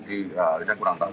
kita kurang tahu